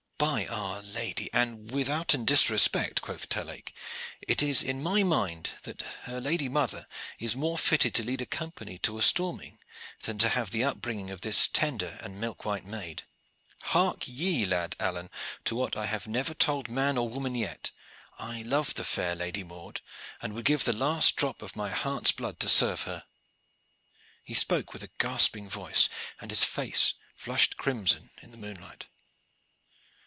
"By our Lady! and withouten disrespect," quoth Terlake, "it is in my mind that her lady mother is more fitted to lead a company to a storming than to have the upbringing of this tender and milk white maid. Hark ye, lad Alleyne, to what I never told man or woman yet. I love the fair Lady Maude, and would give the last drop of my heart's blood to serve her." He spoke with a gasping voice, and his face flushed crimson in the moonlight.